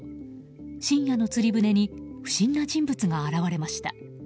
深夜の釣り船に不審な人物が現れました。